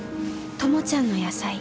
ともちゃんの野菜